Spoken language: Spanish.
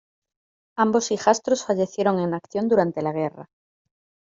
Ambos hijastros fallecieron en acción durante la guerra.